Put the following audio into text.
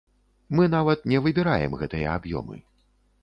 Мы нават не выбіраем гэтыя аб'ёмы.